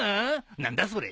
何だそれ？